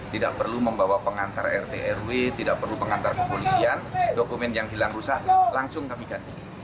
tidak perlu membawa pengantar rt rw tidak perlu pengantar kepolisian dokumen yang hilang rusak langsung kami ganti